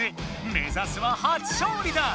目ざすは初勝利だ！